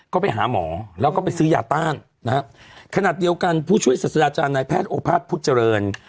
ก็ไปหาหมอแล้วก็ไปซื้อยาต้านนะฮะขณะเดียวกันผู้ช่วยศาสดาจารย์นายแพทย์โอภาษพุทธเจริญ